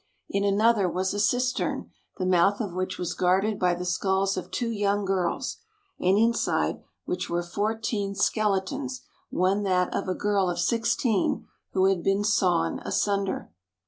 In another was a cistern, the mouth of which was guarded by the skulls of two young girls, and inside which were fourteen skeletons, one that of a girl of sixteen who had been sawn asunder.